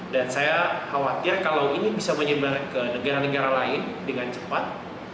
dan saya khawatir kalau ini bisa menyebar ke negara negara lain dengan cepat